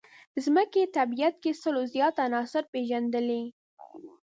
ځمکې طبیعت کې سلو زیات عناصر پېژندلي.